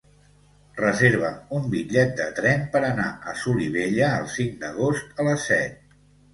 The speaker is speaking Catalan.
Reserva'm un bitllet de tren per anar a Solivella el cinc d'agost a les set.